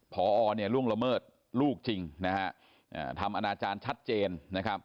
พอล่วงละเมิดลูกจริงทำอนาจารย์ชัดเจน